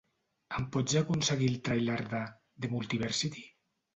em pots aconseguir el tràiler de "The Multiversity"?